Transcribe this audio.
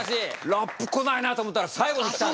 ラップ来ないなと思ったら最後に来たね！